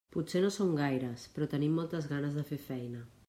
Potser no som gaires, però tenim moltes ganes de fer feina.